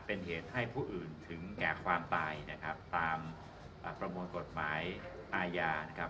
เป็นเหตุให้ผู้อื่นถึงแก่ความตายนะครับตามประมวลกฎหมายอาญานะครับ